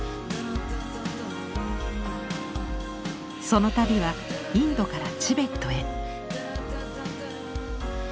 その旅はインドからチベットへ。